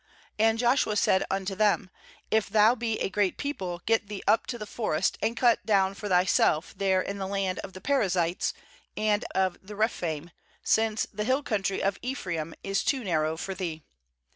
"And Joshua said unto them: 'If thou be a great peo ple, get thee up to the forest, and cut down for thyself there in the land of the Perizzites and of the Rephaim; since the hill country of Ephraim .is too narrow for thee.'